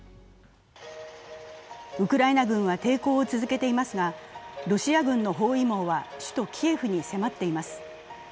ウクライナ軍は抵抗を続けていますがロシア軍の包囲網は首都キエフに迫っています。